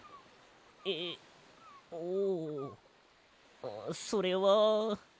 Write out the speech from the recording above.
えおそれは。